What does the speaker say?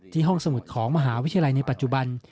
ห้องสมุดของมหาวิทยาลัยในปัจจุบัน